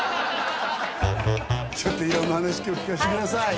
ちょっと色んな話今日聞かせてください